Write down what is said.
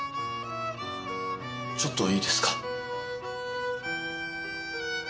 ちょっといいですか。